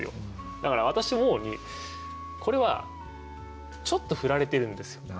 だから私思うにこれはちょっと振られてるんですよ。